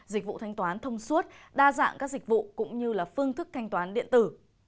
dịch vụ thanh toán thông suốt đa dạng các dịch vụ cũng như là phương thức thanh toán điện tử